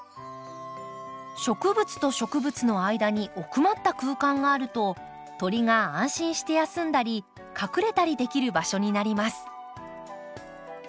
植物と植物の間に奥まった空間があると鳥が安心して休んだり隠れたりできる場所になります。